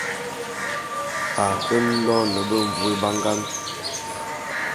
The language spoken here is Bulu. A ke lone benvôé bangan .